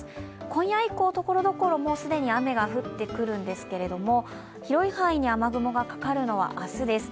今夜以降、所々、既に雨が降ってくるんですけれども、広い範囲に雨雲がかかるのは明日です。